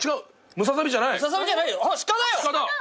ムササビじゃない鹿だよ。